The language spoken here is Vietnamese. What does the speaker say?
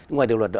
ngoài điều luật đó